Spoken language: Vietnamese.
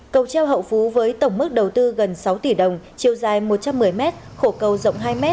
cầu treo hậu phú với tổng mức đầu tư gần sáu tỷ đồng chiều dài một trăm một mươi m khổ cầu rộng hai m